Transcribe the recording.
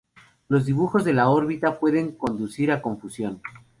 Los dibujos de la órbita pueden conducir a confusión.